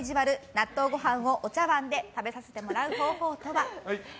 納豆ご飯をお茶わんで食べさせてもらう方法とは？